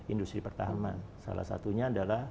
industri pertahanan salah satunya adalah